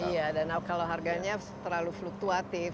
iya dan kalau harganya terlalu fluktuatif